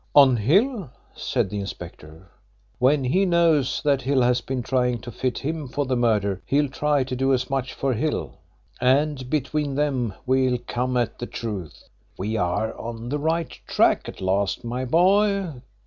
"On Hill?" said the inspector. "When he knows that Hill has been trying to fit him for the murder he'll try and do as much for Hill. And between them we'll come at the truth. We are on the right track at last, my boy.